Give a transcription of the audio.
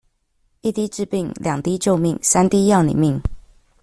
一滴治病，兩滴救命，三滴要你命